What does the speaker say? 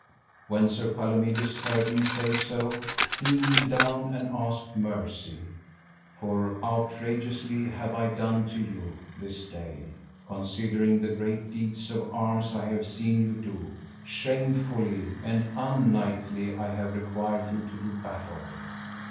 When Sir Palomides heard him say so he kneeled down and asked mercy, For outrageously have I done to you this day; considering the great deeds of arms I have seen you do, shamefully and unknightly I have required you to do battle.